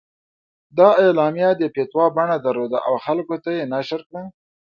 دا اعلامیه د فتوا بڼه درلوده او خلکو ته یې نشر کړه.